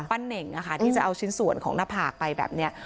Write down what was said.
เน่งนะคะที่จะเอาชิ้นส่วนของหน้าผากไปแบบนี้